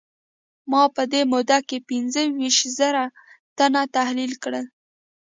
ما په دې موده کې پينځه ويشت زره تنه تحليل کړل.